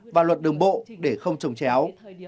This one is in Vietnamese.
và luật đường bộ để không trồng chéo